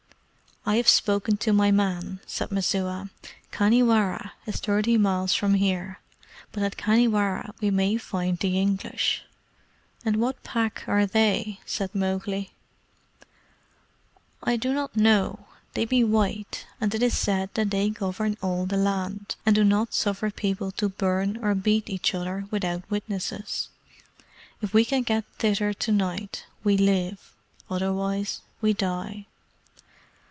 "I have spoken to my man," said Messua. "Khanhiwara is thirty miles from here, but at Khanhiwara we may find the English " "And what Pack are they?" said Mowgli. "I do not know. They be white, and it is said that they govern all the land, and do not suffer people to burn or beat each other without witnesses. If we can get thither to night, we live. Otherwise we die."